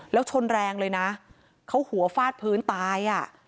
แล้วชนแรงเลยนะเขาหัวฟาดพื้นตายอ่ะ